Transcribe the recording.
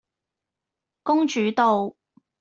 公主道